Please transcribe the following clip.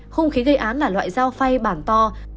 hung khí gây án là loại dao phay bảng to